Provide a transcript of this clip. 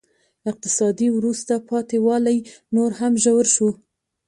اقتصادي وروسته پاتې والی نور هم ژور شو.